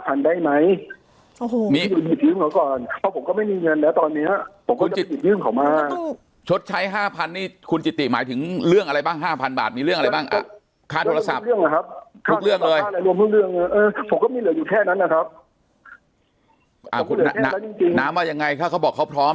พี่จะใช้เป็นเงินห้วงเข้าไปเท่าไหร่ส่วนนั้น๕๐๐๐บาทได้ไหม